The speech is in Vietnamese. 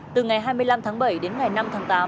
từ ngày hai mươi năm tháng bảy đến ngày năm tháng tám